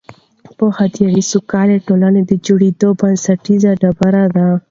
پوهه د یوې سالکې ټولنې د جوړېدو بنسټیزه ډبره ده.